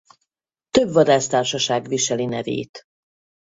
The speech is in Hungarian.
Több vadásztársaság viseli nevét.